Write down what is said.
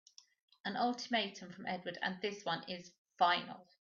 An ultimatum from Edward and this one's final!